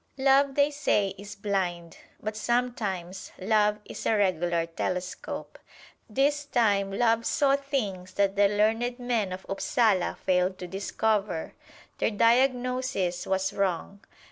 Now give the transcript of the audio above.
Love, they say, is blind, but sometimes love is a regular telescope. This time love saw things that the learned men of Upsala failed to discover their diagnosis was wrong.